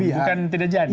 bukan tidak janji belum